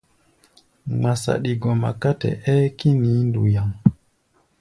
Ŋma saɗi gɔma ká tɛ-ɛ́ɛ́ kínií nduyaŋ.